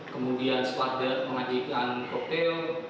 kemudian setelah dia mengajikan koktel